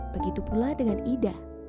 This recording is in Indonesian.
begitu pula dengan ida